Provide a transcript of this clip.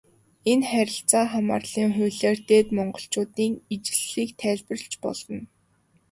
Энэ харилцаа хамаарлын хуулиар Дээд Монголчуудын ижилслийг тайлбарлаж болно.